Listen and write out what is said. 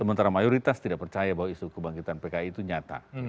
sementara mayoritas tidak percaya bahwa isu kebangkitan pki itu nyata